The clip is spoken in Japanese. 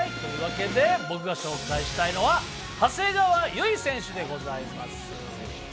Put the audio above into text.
僕が紹介したいのは長谷川唯選手でございます。